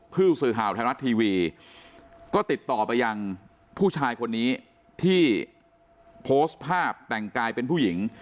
ผู้สื่อข่าวไทยรัฐทีวีก็ติดต่อไปยังผู้ชายคนนี้ที่โพสต์ภาพแต่งกายเป็นผู้หญิง